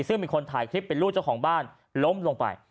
ซึ่งมีคนถ่ายคลิปเป็นลูกเจ้าของบ้านล้มลงไป